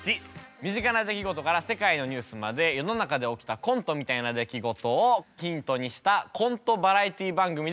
身近な出来事から世界のニュースまで世の中で起きたコントみたいな出来事をヒントにしたコントバラエティー番組でございます。